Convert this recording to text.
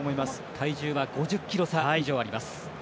体重は５０ｋｇ差以上あります。